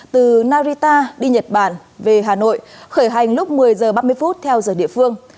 từ narita đi nhật bản về hà nội khởi hành lúc một mươi h ba mươi theo giờ địa phương